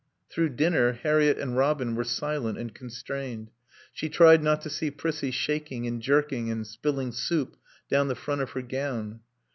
Through dinner Harriett and Robin were silent and constrained. She tried not to see Prissie shaking and jerking and spilling soup down the front of her gown.